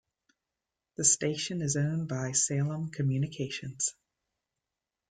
The station is owned by Salem Communications.